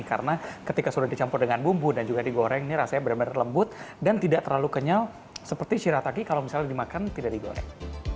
karena ketika sudah dicampur dengan bumbu dan juga digoreng ini rasanya benar benar lembut dan tidak terlalu kenyal seperti shirataki kalau misalnya dimakan tidak digoreng